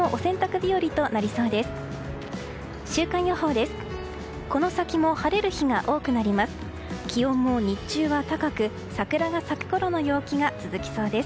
週間予報です。